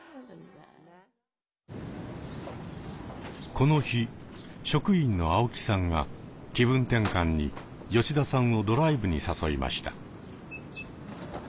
この日職員の青木さんが気分転換に吉田さんをドライブに誘いました。